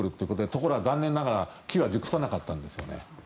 ところが残念ながら機は熟さなかったんですね。